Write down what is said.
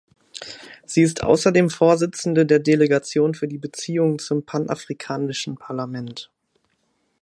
Sie ist außerdem Vorsitzende der Delegation für die Beziehungen zum Panafrikanischen Parlament.